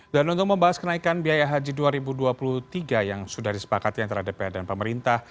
dan untuk membahas kenaikan biaya haji dua ribu dua puluh tiga yang sudah disepakati antara dpr dan pemerintah